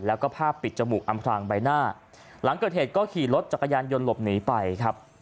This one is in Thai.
แล้วก็ภาพปิดจมูกอำพลางใบหน้าหลังเกิดเหตุก็ขี่รถจักรยานยนต์หลบหนีไปครับ